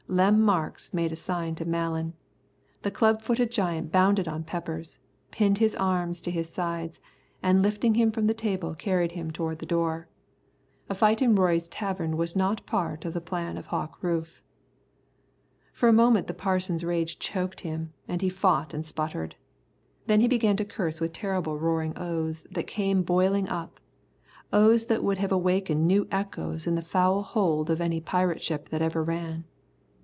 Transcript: Lem Marks made a sign to Malan. The club footed giant bounded on Peppers, pinned his arms to his sides, and lifting him from the table carried him toward the door. A fight in Roy's tavern was not a part of the plan of Hawk Rufe. For a moment the Parson's rage choked him, and he fought and sputtered. Then he began to curse with terrible roaring oaths that came boiling up, oaths that would have awakened new echoes in the foul hold of any pirate ship that ever ran.